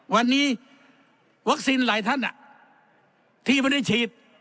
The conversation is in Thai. วันนี้วัคซีนหลายท่านที่ไม่ได้ฉีด